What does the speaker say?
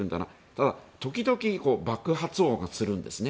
ただ、時々爆発音がするんですね。